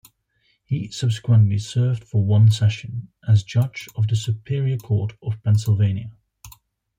He subsequently served for one session as judge of the Superior Court of Pennsylvania.